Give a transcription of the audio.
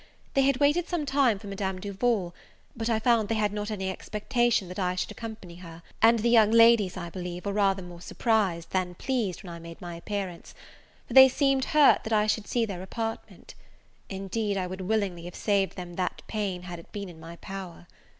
They had waited some time for Madame Duval, but I found they had not any expectation that I should accompany her; and the young ladies, I believe, were rather more surprised than pleased when I made my appearance; for they seemed hurt that I should see their apartment. Indeed, I would willingly have saved them that pain, had it been in my power.